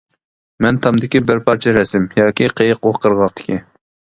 مەن تامدىكى بىر پارچە رەسىم ياكى قېيىق ئۇ قىرغاقتىكى.